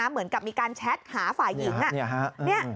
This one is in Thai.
เหมือนกับมีการแชทหาฝ่ายหญิง